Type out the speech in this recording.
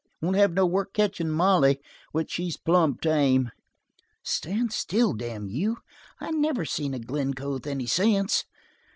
You won't have no work catchin' Molly. Which she's plumb tame. Stand still, damn you. I never seen a Glencoe with any sense!